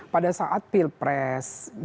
pada saat pilpres